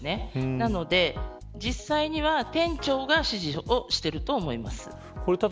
なので、実際には店長が指示していると思います。